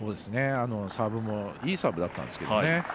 サーブもいいサーブだったんですけどね。